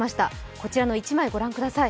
こちらの１枚、ご覧ください。